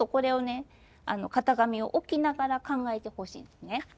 型紙を置きながら考えてほしいんですね。